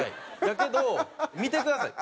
やけど見てください。